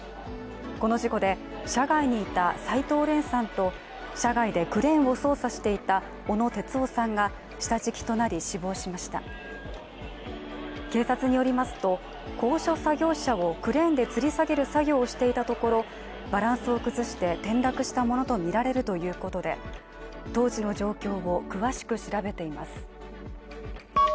この事故で車外にいた斉藤廉さんと車外でクレーンを操作していた小野哲生さんが下敷きとなり死亡しました警察によりますと、高所作業車をクレーンで吊り下げる作業をしていたところバランスを崩して転落したものとみられるということで、当時の状況を詳しく調べています。